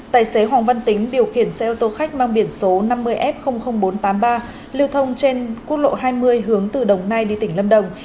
tài xế hoàng văn tính điều khiển xe ô tô khách mang biển số năm mươi f bốn trăm tám mươi ba liều thông trên quốc lộ hai mươi hướng từ đồng nai đi tỉnh lâm đồng